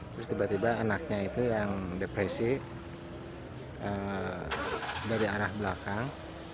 terus tiba tiba anaknya itu yang depresi dari arah belakang